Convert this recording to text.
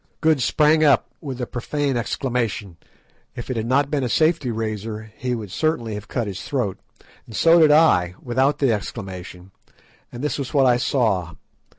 Good sprang up with a profane exclamation (if it had not been a safety razor he would certainly have cut his throat), and so did I, without the exclamation, and this was what I saw.